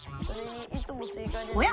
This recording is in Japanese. おや？